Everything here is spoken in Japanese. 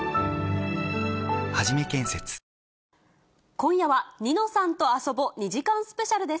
今夜は、ニノさんとあそぼ２時間スペシャルです。